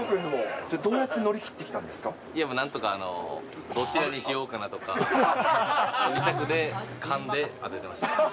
じゃあどうやって乗り切っていや、なんとか、どちらにしようかなとか、２択で勘で当ててました。